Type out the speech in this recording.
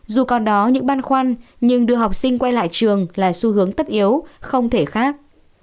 dù còn đó những băn khoăn nhưng đưa học sinh quay lại trường là xu hướng tất yếu không thể khác